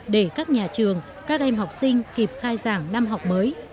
để các nhà trường các em học sinh kịp khai giảng năm học mới